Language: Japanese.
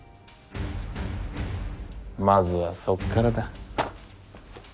まずはそこからだ。